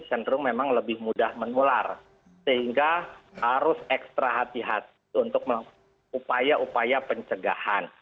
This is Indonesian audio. cenderung memang lebih mudah menular sehingga harus ekstra hati hati untuk melakukan upaya upaya pencegahan